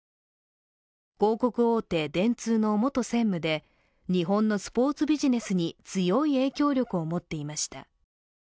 広告大手・電通の元専務で、日本のスポーツビジネスに強い影響力を持っていました。